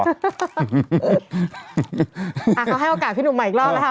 อะเขาให้โอกาสพี่หนุ่มมาอีกรอบนะครับ